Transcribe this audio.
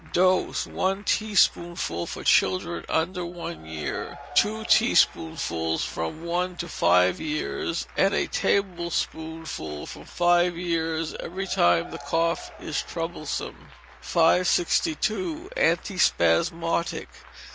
Dose, one teaspoonful for children under one year, two teaspoonfuls from one to five years, and a tablespoonful from five years, every time the cough is troublesome. 562. Antispasmodic.